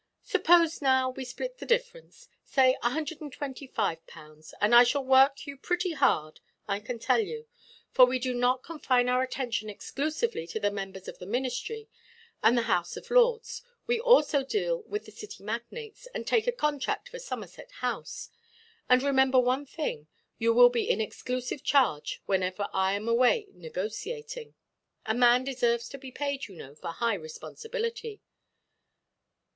Suppose, now, we split the difference. Say 125_l._; and I shall work you pretty hard, I can tell you. For we do not confine our attention exclusively to the members of the Ministry, and the House of Lords; we also deal with the City magnates, and take a contract for Somerset House. And remember one thing; you will be in exclusive charge whenever I am away negotiating. A man deserves to be paid, you know, for high responsibility."